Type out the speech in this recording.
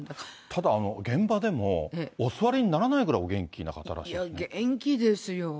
ただ、現場でもお座りにならないぐらいお元気な方らしいですいや、元気ですよ。